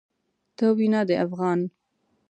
ته وينه د افغان